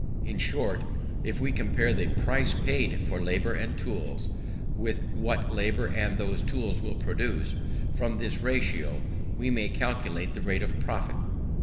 In short, if we compare the price paid for labour and tools with what that labour and those tools will produce, from this ratio we may calculate the rate of profit.